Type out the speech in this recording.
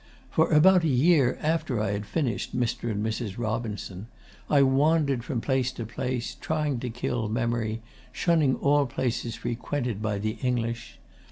For about a year after I had finished "Mr. and Mrs. Robinson" I wandered from place to place, trying to kill memory, shunning all places frequented by the English.